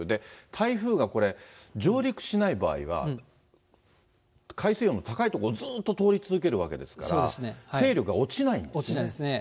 台風がこれ、上陸しない場合は、海水温の高い所をずっと通り続けるわけですから、勢力が落ちない落ちないですね。